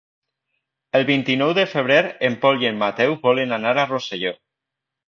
El vint-i-nou de febrer en Pol i en Mateu volen anar a Rosselló.